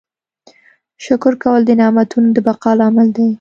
شکر کول د نعمتونو د بقا لامل دی.